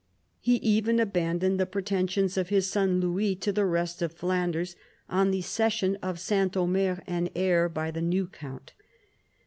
He even abandoned the pretensions of his son Louis to the rest of Flanders on the cession of S. Omer and Aire by the new count.